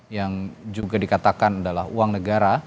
yang juga dikatakan adalah uang negara